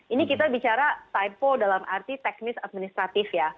ini kita bicara typo dalam arti teknis administratif ya